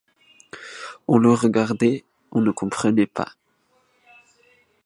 On le regardait, on ne comprenait pas.